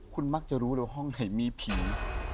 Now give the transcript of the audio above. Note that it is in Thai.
คุณมักจะรู้ว่าห้องไหนมีภิกษ์